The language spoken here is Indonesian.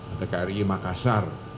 ada kri makassar